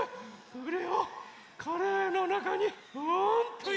これをカレーのなかにポンといれて。